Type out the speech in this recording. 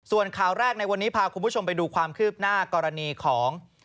ส่วนข่าวแรกในวันนี้พาคุณผู้ชมไปดูความคืบหน้ากรณีของ